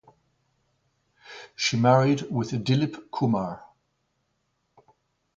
She married with Dilip Kumar.